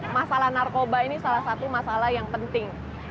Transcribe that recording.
masalah narkoba ini salah satu masalah yang penting